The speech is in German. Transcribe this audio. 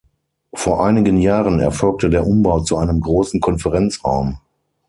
Vor einigen Jahren erfolgte der Umbau zu einem großen Konferenzraum.